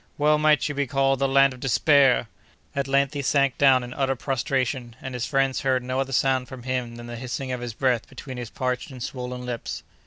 Well might you be called the land of despair!" At length he sank down in utter prostration, and his friends heard no other sound from him than the hissing of his breath between his parched and swollen lips.